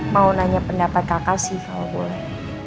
mau nanya pendapat kakak sih kalau boleh